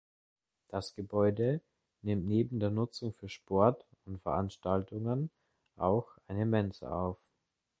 Das Gebäude nimmt neben der Nutzung für Sport und Veranstaltungen auch eine Mensa auf.